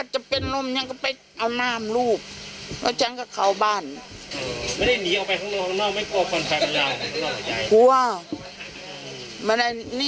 เจ็บขาด